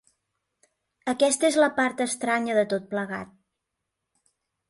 Aquesta és la part estranya de tot plegat.